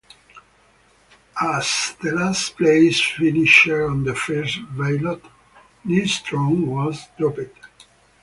As the last place finisher on the first ballot, Nystrom was dropped.